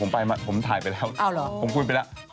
ผมถ่ายไปแล้วผมคุยไปแล้ว